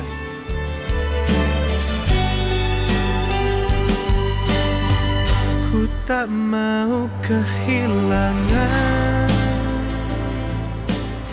arita tuh bukan yang baik buat gue